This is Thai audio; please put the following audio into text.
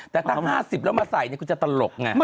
แต่ถ้า๕๐แล้วมาใส่คุณจะตลกไง